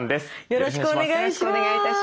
よろしくお願いします。